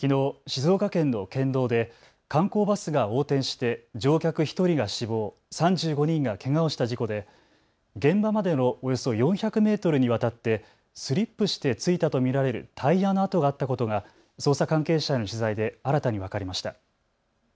静岡県の県道で観光バスが横転して乗客１人が死亡、３５人がけがをした事故で現場までのおよそ４００メートルにわたってスリップしてついたと見られるタイヤの痕があったことが捜査関係者の取材で新たに分かりました。